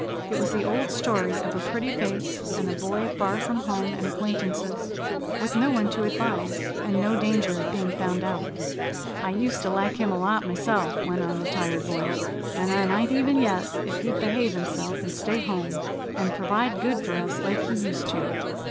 It was the old story of a pretty face, and a boy far from home and acquaintances, with no one to advise, and no danger of being found out. "I used to like him a lot myself," went on the tired voice, "an' I might even yet ef he'd behave himself and stay home, an' pervide good fer us like he used to."